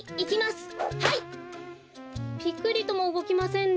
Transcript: ぴくりともうごきませんね。